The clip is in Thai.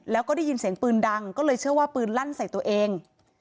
แล้วก็ได้ยินเสียงปืนดังก็เลยเชื่อว่าปืนลั่นใส่ตัวเอง